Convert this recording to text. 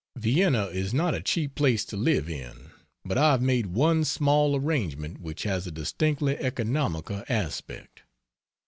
Vienna is not a cheap place to live in, but I have made one small arrangement which: has a distinctly economical aspect.